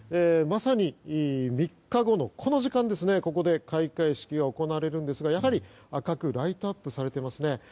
まさに３日後のこの時間ここで開会式が行われるんですがやはり赤くライトアップされていますね。